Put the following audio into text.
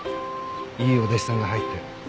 いいお弟子さんが入って。